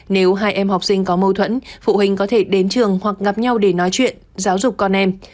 nếu hai em học sinh có mâu thuẫn phụ huynh có thể đến trường hoặc gặp nhau để nói chuyện giáo dục con em